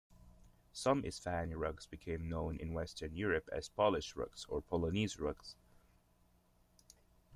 Some Isfahani rugs became known in Western Europe as "Polish rugs"or "Polonese rugs".